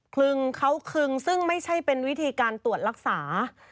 ลึงเขาคลึงซึ่งไม่ใช่เป็นวิธีการตรวจรักษา